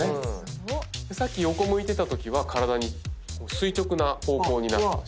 さっき横向いてたときは体に垂直な方向になってました。